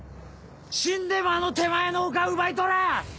死んでもあの手前の丘を奪い取れ！